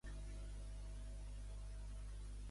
Ningú no sap mai què pensar, amb això dels abusos a menors.